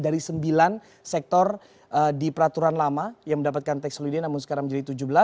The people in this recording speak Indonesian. dari sembilan sektor di peraturan lama yang mendapatkan tax holiday namun sekarang menjadi tujuh belas